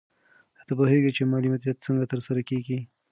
آیا ته پوهېږې چې مالي مدیریت څنګه ترسره کېږي؟